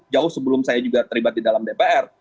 jauh sebelum saya juga terlibat di dalam dpr